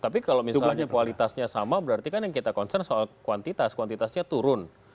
tapi kalau misalnya kualitasnya sama berarti kan yang kita concern soal kuantitas kuantitasnya turun